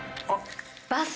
バス。